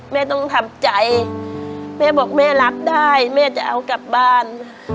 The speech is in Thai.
แม่ต้องทำใจแม่บอกแม่รับได้แม่จะเอากลับบ้าน